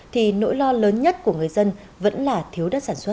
thì nỗi lo lớn nhất của người dân vẫn là thiếu đất sản xuất